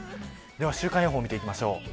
では週間予報を見ていきましょう。